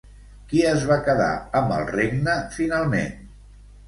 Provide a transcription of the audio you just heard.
Qui es va quedar amb el regne finalment?